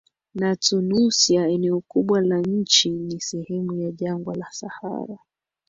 na TunisiaEneo kubwa la nchi ni sehemu ya jangwa la Sahara